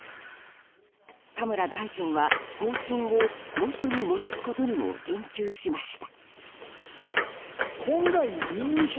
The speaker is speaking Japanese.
田村大臣は方針を元に戻すことにも言及しました。